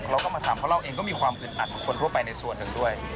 เราก็มาทำเพราะเราเองก็มีความอึดอัดเหมือนคนทั่วไปในส่วนหนึ่งด้วย